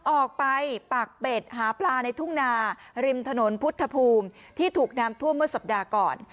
ออกไปปากเป็ดหาปลาในทุ่งนาริมถนนพุทธภูมิที่ถูกน้ำท่วมเมื่อสัปดาห์ก่อน